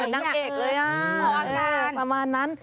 เป็นนางเอกเลยนะประมาณนั้น